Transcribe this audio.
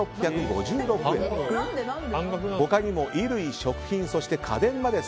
他にも衣類、食品、そして家電まで